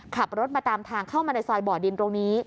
ขับรถมาตามทางเข้ามาในซอยบ่อดินตรงนี้